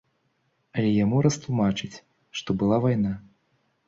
Але яму растлумачаць, што была вайна.